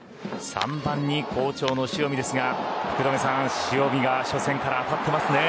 ３番に好調の塩見ですが福留さん塩見が初戦から当たってますね。